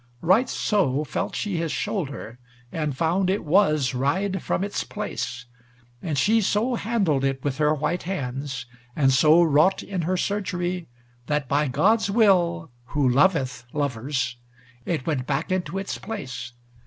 Right so felt she his shoulder and found it was wried from its place. And she so handled it with her white hands, and so wrought in her surgery, that by God's will who loveth lovers, it went back into its place.